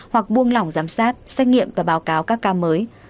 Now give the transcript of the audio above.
hoặc buông lỏng giám sát xét nghiệm và báo cáo các ca mới